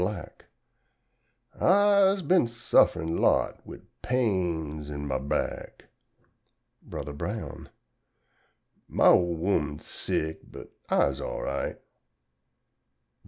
Black_ "I'se been suff'rin' lots wid pains in my back." Bro. Brown "My ole 'ooman's sick, but I'se alright " _Bro.